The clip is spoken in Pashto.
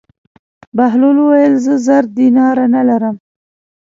بهلول وویل: زه زر دیناره نه لرم.